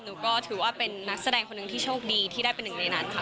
หนูก็ถือว่าเป็นนักแสดงคนหนึ่งที่โชคดีที่ได้เป็นหนึ่งในนั้นค่ะ